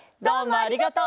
ありがとう。